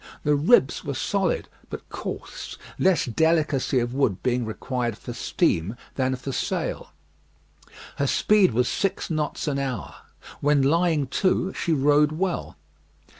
The ribs were solid, but coarse, less delicacy of wood being required for steam than for sail. Her speed was six knots an hour. When lying to she rode well.